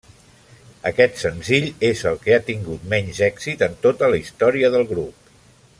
Aquest senzill és el que ha tingut menys èxit en tota la història del grup.